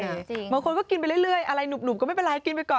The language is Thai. บางคนก็กินไปเรื่อยอะไรหนุ่มก็ไม่เป็นไรกินไปก่อน